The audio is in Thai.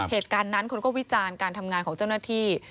เหตุการณ์นั้นคนก็วิจารณ์การทำงานของเจ้าหน้าที่